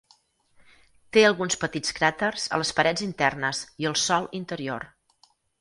Té alguns petits cràters a les parets internes i al sòl interior.